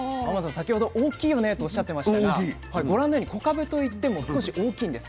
先ほど大きいよねっておっしゃってましたがご覧のようにこかぶといっても少し大きいんです。